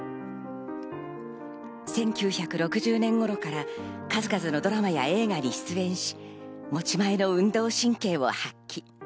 １９６０年頃から数々のドラマや映画に出演し、持ち前の運動神経を発揮。